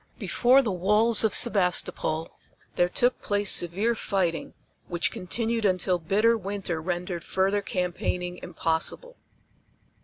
Before the walls of Sebastopol there took place severe fighting, which continued until bitter winter rendered further campaigning impossible.